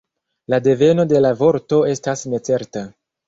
La deveno de la vorto estas necerta.